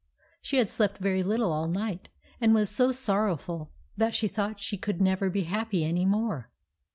She had slept very little all night, and was so sorrowful that she thought she could never be happy any more.